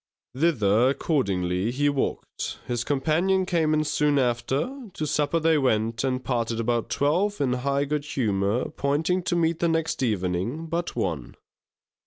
Thither, accordingly, he walked; his companion came in soon after; to supper they went and parted about twelve in high good humour, appointing to meet the next evening but one.